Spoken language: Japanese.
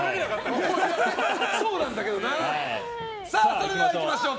それでは、いきましょう。